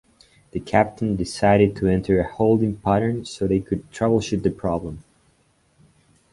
The captain decided to enter a holding pattern so they could troubleshoot the problem.